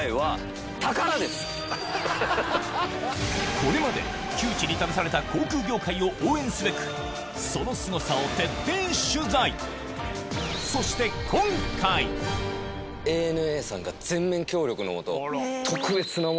これまで窮地に立たされた航空業界を応援すべくそのすごさを徹底取材そして今ね。